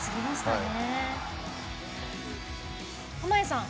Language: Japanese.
濱家さん